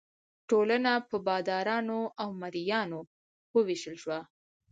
ټولنه په بادارانو او مرئیانو وویشل شوه.